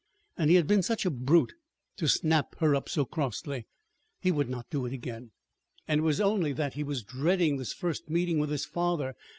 And he had been such a brute to snap her up so crossly! He would not do it again. It was only that he was so dreading this first meeting with his father.